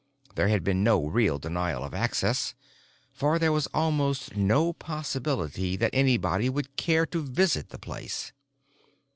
There had been no real denial of access, for there was almost no possibility that anybody would care to visit the place.